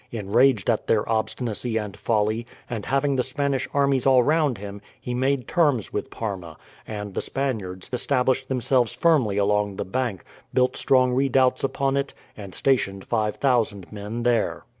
Enraged at their obstinacy and folly, and having the Spanish armies all round him, he made terms with Parma, and the Spaniards established themselves firmly along the bank, built strong redoubts upon it, and stationed five thousand men there.